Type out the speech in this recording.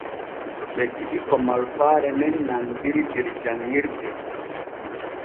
Ɓe ji’i ko malfaare nen nandiri der janɲirde.